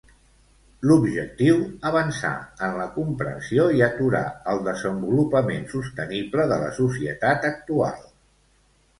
L'objectiu, avançar en la comprensió i aturar el desenvolupament sostenible de la societat actual.